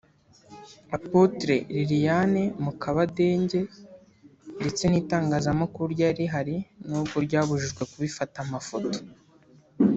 Apotre Liliane Mukabadege ndetse n'itangazamakuru ryari rihari nubwo ryabujijwe kubifata amafoto